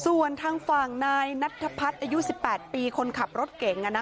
ส่วนทางฝั่งนายณพัชอายุปีค้นขับรถเก่ง